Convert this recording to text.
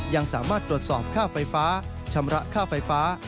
ยังสามารถตรวจสอบค่าไฟฟ้าชำระค่าไฟฟ้า